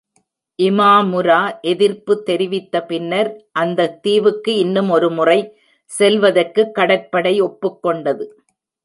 இமாமுரா எதிர்ப்பு தெரிவித்த பின்னர், அந்தத் தீவுக்கு இன்னும் ஒருமுறை செல்வதற்கு கடற்படை ஒப்புக்கொண்டது.